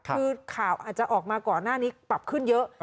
คือข่าวอาจจะออกมาก่อนหน้านี้ปรับขึ้นเยอะ